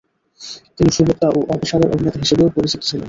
তিনি সুবক্তা ও অপেশাদার অভিনেতা হিসেবেও পরিচিত ছিলেন।